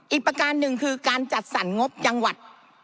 ประการหนึ่งคือการจัดสรรงบจังหวัด